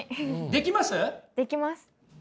できます。